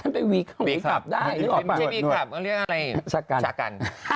เป็นวิคบได้ชะกัน